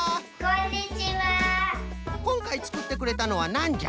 こんかいつくってくれたのはなんじゃ？